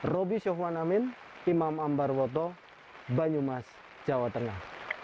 roby syokwanamin imam ambarwoto banyumas jawa tengah